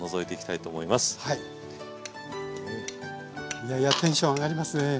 いやいやテンション上がりますね。